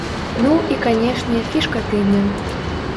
Ну і, канешне, фішка тыдня.